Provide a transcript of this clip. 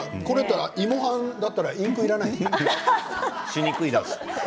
芋判だったらインクがいらないね。